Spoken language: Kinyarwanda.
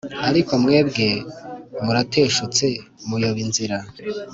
“Ariko mwebwe murateshutse muyoba inzira,